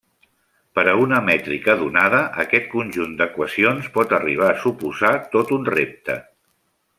Per a una mètrica donada, aquest conjunt d'equacions pot arribar a suposar tot un repte.